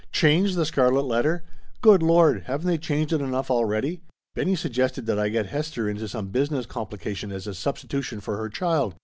Change The Scarlet Letter? Good Lord, haven't they changed it enough already ? Benny suggested that I get Hester into some business compli cation as a substitution for her child